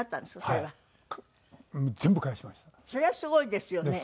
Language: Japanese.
それはすごいですよね。